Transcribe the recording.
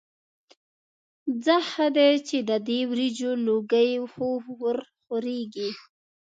ځه ښه دی چې د دې وریجو لوګي خو ورخوريږي.